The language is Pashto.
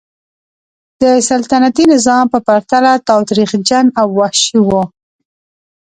د سلطنتي نظام په پرتله تاوتریخجن او وحشي و.